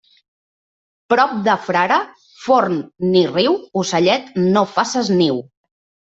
Prop de frare, forn ni riu, ocellet, no faces niu.